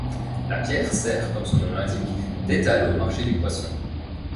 La pierre sert, comme son nom l’indique, d’étal au marché du poisson.